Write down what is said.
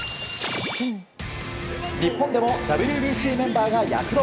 日本でもＷＢＣメンバーが躍動。